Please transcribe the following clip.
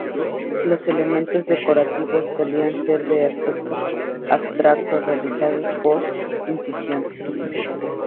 Los elementos decorativos solían ser de aspecto abstracto, realizados por incisión.